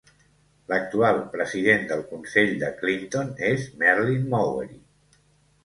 L'actual president del Consell de Clinton és Merlin Mowery.